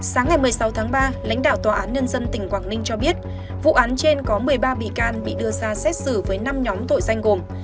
sáng ngày một mươi sáu tháng ba lãnh đạo tòa án nhân dân tỉnh quảng ninh cho biết vụ án trên có một mươi ba bị can bị đưa ra xét xử với năm nhóm tội danh gồm